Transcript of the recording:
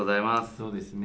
そうですね。